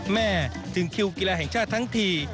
แม่ถึงคิวกีฬาแห่งชาติทั้งที